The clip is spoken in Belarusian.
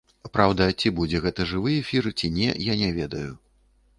Праўда, ці будзе гэта жывы эфір, ці не, я не ведаю.